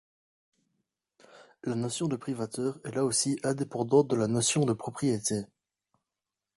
La notion de privateur est là aussi indépendante de la notion de propriété.